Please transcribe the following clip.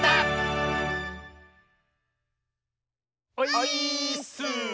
オイーッス！